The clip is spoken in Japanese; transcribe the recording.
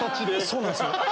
そうなんすよ。